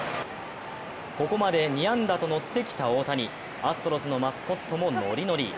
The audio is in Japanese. ここまで２安打と、のってきた大谷アストロズのマスコットもノリノリ。